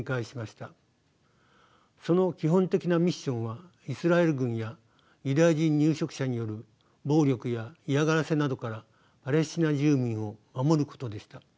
その基本的なミッションはイスラエル軍やユダヤ人入植者による暴力や嫌がらせなどからパレスチナ住民を守ることでした。